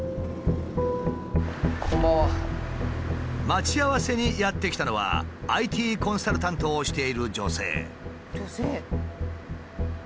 待ち合わせにやって来たのはＩＴコンサルタントをしている女性。